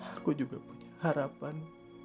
aku juga punya harapan